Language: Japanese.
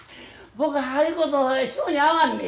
僕はああいうこと性に合わんね。